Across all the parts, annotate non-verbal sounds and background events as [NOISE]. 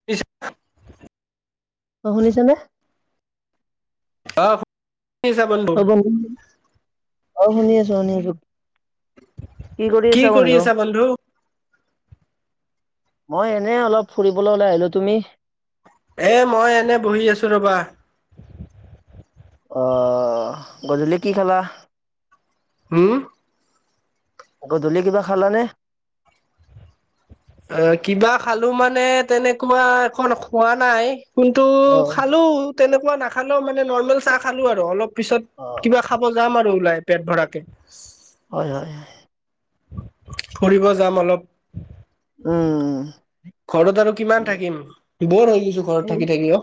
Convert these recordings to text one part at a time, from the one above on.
[UNINTELLIGIBLE] অ' শুনিছা নে? আহ। ক'ব মোকো অঁ' শুনি আছো শুনি আছো। কি কৰি আছা বন্ধু? মই এনেই অলপ ফুৰিবলৈ উলাই আহিলো তুমি? এ মই এনে বহি আছোঁ ৰ'বা। অ' গধূলি কি খালা? হম। গধূলি কিবা খালানে? এ কিবা খালো মানে তেনেকুৱা এখন খোৱা নাই। কিন্তু অ', খালো তেনেকুৱা নাখালোও মানে নৰ্মেল চাহ খালো আৰু অলপ পিছত অ', কিবা খা ব যাম আৰু ওলাই পেট ভৰাৰাকে। হয়, হয়, হয়। ফুৰিব যাম অলপ। উম ঘৰত আৰু কিমান থাকিম, বৰ হৈ গৈছো ঘৰত এই থাকি থাকি অ'।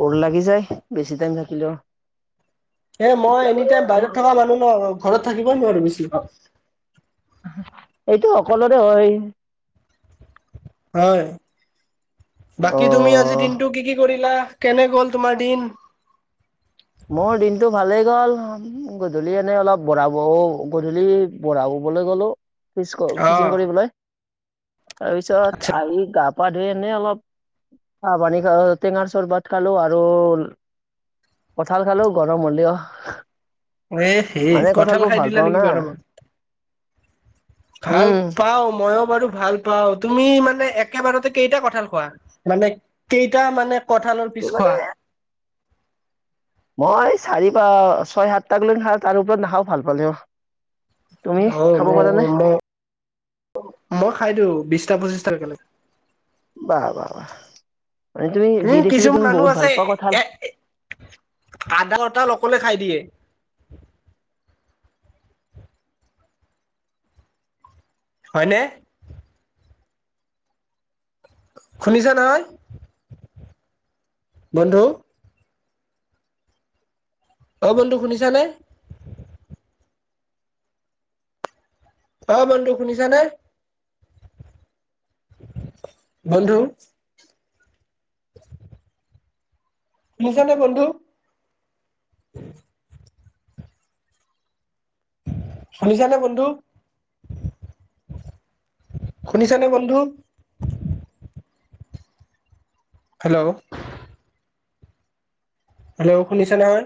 বৰ লাগি যায়, বেছি টাইম থাকিলেও। এ মই এতিয়া এনি বাৰু টাইম আমাৰ বাহিৰত থকা মানুহ ন ঘৰত থাকিবই নোৱাৰোঁ বেছি। এইটো সকলোৰে হয়। হয়, বাকী তুমি আজি অ', দিনটো কি কি কৰিলা কেনে গ'ল তোমাৰ দিন? মোৰ দিনটো ভালেই গ'ল গধূলি এনে অলপ বৰা বহো গধূলি বঢ়া ববলৈ গ'লো। [INAUDIBLE] অ ফিচিং কৰিবলৈ। তাৰপিছত আচ্ছা আহি গা পা ধুই, এনে অলপ চা পানী খা টেঙাৰ চৰবত খালোঁ আৰু কঁঠাল খালোঁ, গৰম হ'লেও। এ সেই মানে কঁঠাল বোৰ খাই ভাল দিলা পাওঁ না নেকি গৰমত? ভাল উম পাওঁ, মইয়ো বাৰু ভাল পাওঁ। তুমি মানে একেবাৰতে কেইটা কঁঠাল খোৱা মানে কেইটা মানে কঁঠালৰ কি পিচ মানে খোৱা? মই চাৰি প ছয় সাতট গলে খাও তাৰ ওপৰত নাখাও ভাল পালেও। তুমি অ খাব ম পাৰা নে ম মই খাই দিওঁ বিশছটা পঁচিশটা একেলগে। বোৱা বোৱা বোৱা মানে তুমি উম যি দেখিলোঁ, কিছুমান তুমি মানুহ বহুত আছে ভাল পোৱা এ কঁঠাল? আধা কঁঠাল অকলে খাই দিয়ে। হয় নে? শুনিছা নহয় বন্ধু? অ বন্ধু শুনিছা নে? অ বন্ধু শুনিছা নে? বন্ধু শুনিছা নে বন্ধু? শুনিছা নে বন্ধু? শুনিছা নে বন্ধু? হেল্ল'! হেল্ল' শুনিছা নহয়?